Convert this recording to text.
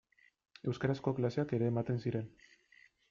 Euskarazko klaseak ere ematen ziren.